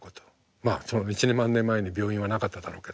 まあ１万年前に病院はなかっただろうけど。